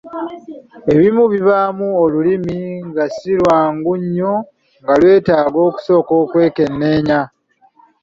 Ebimu bibaamu olulimi nga si lwangu nnyo nga lwetaaga okusooka okwekenneenya.